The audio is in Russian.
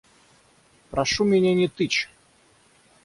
Прошу меня не тычь!